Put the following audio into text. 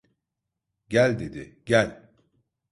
"Gel!" dedi, "Gel!"